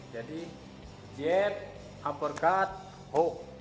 jadi jab uppercut hook